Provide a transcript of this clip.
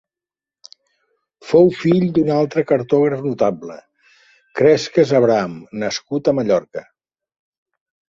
Fou fill d'un altre cartògraf notable, Cresques Abraham, nascut a Mallorca.